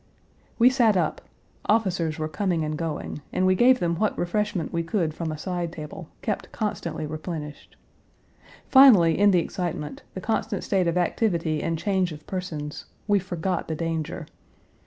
We sat up. Officers were coming and going; and we gave them what refreshment we could from a side table, kept constantly replenished. Finally, in the excitement, the constant state of activity and change of persons, we forgot the danger.